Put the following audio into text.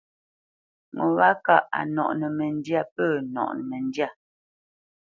Ŋo wâ kâʼ a nɔʼnə́ məndyâ pə̂ nɔʼnə məndyâ.